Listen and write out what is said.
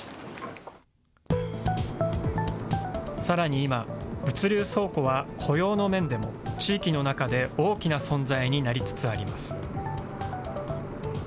さらに今、物流倉庫は雇用の面でも、地域の中で大きな存在になりつつあります。